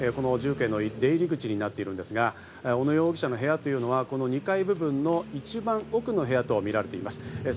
右の端っこが住居への出入り口となっているんですが、小野容疑者の部屋というのはこの２階部分の一番奥の部屋とみられています。